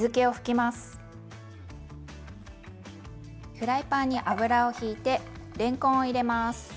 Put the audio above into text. フライパンに油をひいてれんこんを入れます。